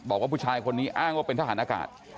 บอกว่าผู้ชายคนนี้อ้างว่าเป็นทหารอากาศ